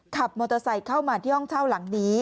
ขับมอเตอร์ไซค์เข้ามาที่ห้องเช่าหลังนี้